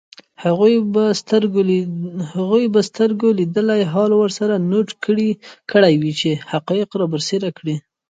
هغوی به سترګو لیدلی حال ورسره نوټ کړی وي چي حقایق رابرسېره کړي